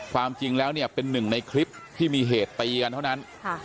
ความจริงแล้วเนี่ยเป็นหนึ่งในคลิปที่มีเหตุตีกันเท่านั้น